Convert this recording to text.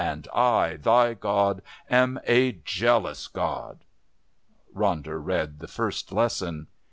And I, thy God, am a jealous God...." Ronder read the First Lesson.